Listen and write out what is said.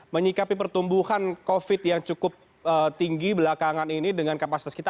menyikapi pertumbuhan covid yang cukup tinggi belakangan ini dengan kapasitas kita